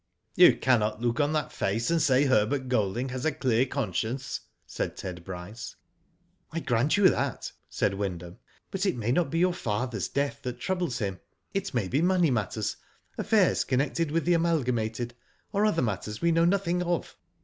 *' You cannot look on that. face and say Her bert Golding has a clear conscience/* said Ted Bryce. *' I grant you that," said Wyndham ;*' but it may not be your father's death that troubles him, it may be money matters, affairs connected with the Amalgamated, or other matters we know nothing of.